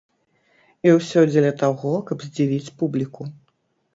І ўсё дзеля таго, каб здзівіць публіку.